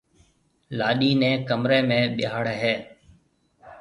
لاڏِي نيَ ڪمرَي ۾ ٻيھاڙَي ھيََََ